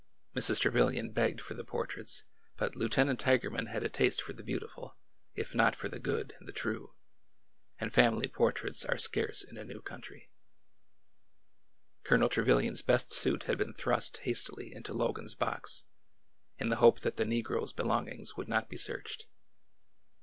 Mrs. Trevilian begged for the portraits, but Lieutenant Tigerman had a taste for the beautiful, if not for the good and the true, and family portraits are scarce in a new country. Colonel Trevilian's best suit had been thrust hastily into Logan's box, in the hope that the negroes' belongings would not be searched.